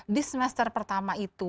di semester pertama itu